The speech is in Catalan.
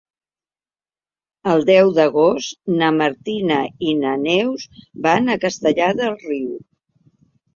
El deu d'agost na Martina i na Neus van a Castellar del Riu.